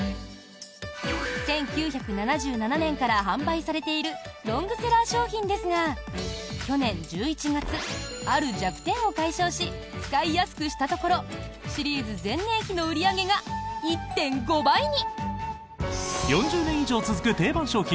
１９７７年から販売されているロングセラー商品ですが去年１１月、ある弱点を解消し使いやすくしたところシリーズ前年比の売り上げが１．５倍に。